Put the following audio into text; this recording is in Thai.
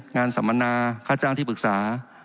งานสำมรรณ์การค่าจ้างที่ปรึกษา